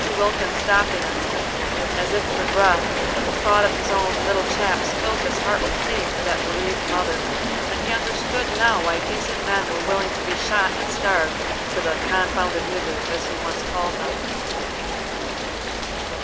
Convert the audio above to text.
Wilkins stopped an instant as if for breath, but the thought of his own "little chaps" filled his heart with pity for that bereaved mother; and he understood now why decent men were willing to be shot and starved for "the confounded niggers," as he once called them.